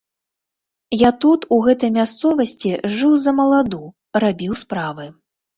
Я тут, у гэтай мясцовасці, жыў ззамаладу, рабіў справы.